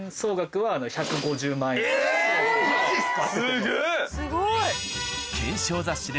マジっすか！